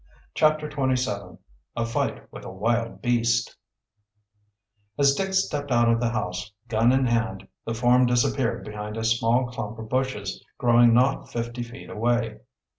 CHAPTER XXVII A FIGHT WITH A WILD BEAST As Dick stepped out of the house, gun in hand, the form disappeared behind a small clump of bushes growing not fifty feet away.